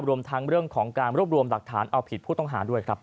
รวมทั้งเรื่องของการรวบรวมหลักฐานเอาผิดผู้ต้องหาด้วยครับ